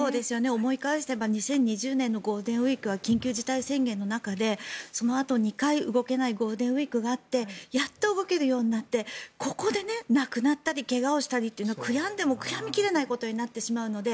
思い返せば２０２０年のゴールデンウィークは緊急事態宣言の中でそのあと２回動けないゴールデンウィークがあってやっと動けるようになってここで亡くなったり怪我をしたりというのは悔やんでも悔やみ切れないことになってしまうので